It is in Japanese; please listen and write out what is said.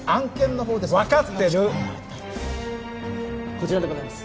こちらでございます